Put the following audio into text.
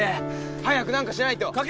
早くなんかしないと早く。